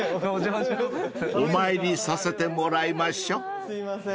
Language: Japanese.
［お参りさせてもらいましょ］すいません。